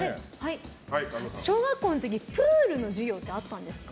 小学校の時プールの授業ってあったんですか？